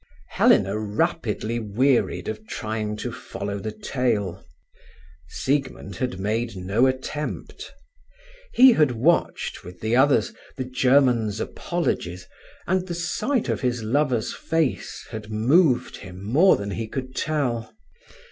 Helena rapidly wearied of trying to follow the tale. Siegmund had made no attempt. He had watched, with the others, the German's apologies, and the sight of his lover's face had moved him more than he could tell.